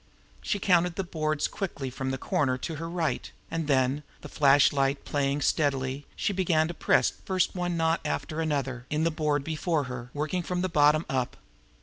She counted the boards quickly from the corner to her right; and then, the flashlight playing steadily, she began to press first one knot after another, in the board before her, working from the bottom up.